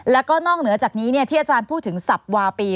แล้วก็นอกเหนือจากนี้ที่อาจารย์พูดถึงสับวาปี